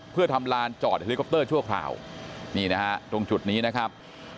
เพื่อทำลานจอดเฮลิคอปเตอร์ชั่วคราวนี่นะฮะตรงจุดนี้นะครับ